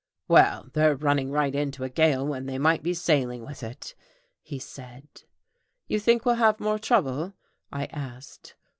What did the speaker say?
"Well, they're running right into a gale when they might be sailing with it," he said. "You think we'll have more trouble?" I asked.